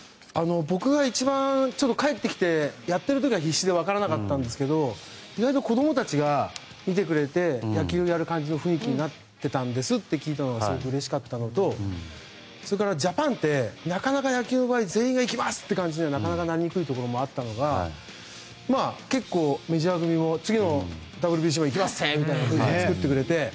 僕が一番、帰ってきてやっている時は必至で分からなかったんですが意外と子供たちが見てくれて野球をやる感じの雰囲気になってたんですというのがすごくうれしかったのとそれからジャパンってなかなか野球の場合全員行きますとなりにくいところがあったのが結構メジャー組も、次のＷＢＣもいきまっせみたいな雰囲気を作ってくれて。